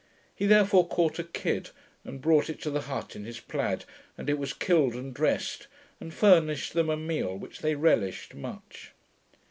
He therefore caught a kid, and brought it to the hut in his plaid, and it was killed and drest, and furnished them a meal which they relished much.